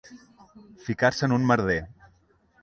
Ficar-se en un merder.